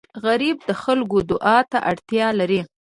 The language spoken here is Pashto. غریب د خلکو دعا ته اړتیا لري